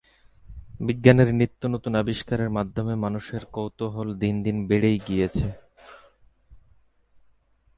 বিজ্ঞানের নিত্যনতুন আবিষ্কারের মাধ্যমে মানুষের কৌতুহল দিন দিন বেড়েই গিয়েছে।